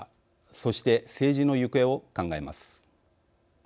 そして政治の行方を考えます。